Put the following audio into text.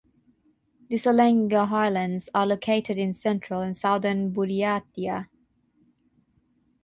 The Selenga Highlands are located in central and southern Buryatia.